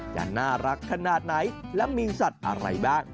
จะน่ารักขนาดไหนและมีสัตว์อะไรบ้าง